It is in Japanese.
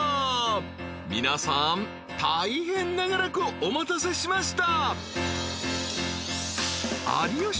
［皆さん大変長らくお待たせしました］